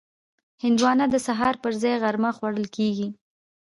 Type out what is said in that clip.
هندوانه د سهار پر ځای غرمه خوړل کېږي.